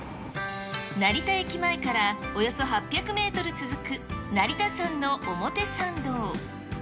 成田駅前から、およそ８００メートル続く成田山の表参道。